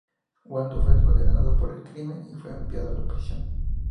Waldo fue condenado por el crimen y fue enviado a prisión.